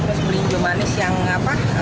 terus beli jumanis yang apa